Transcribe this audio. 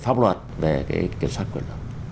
pháp luật về cái kiểm soát quyền lực